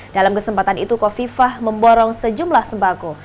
dalam kesempatan itu kofifah memborong sejumlah sembako